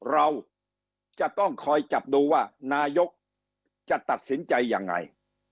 เราจะต้องคอยจับดูว่านายกจะตัดสินใจยังไง